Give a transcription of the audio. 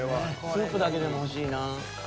スープだけでも欲しいな。